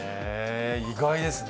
意外ですね。